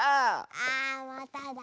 あまただ。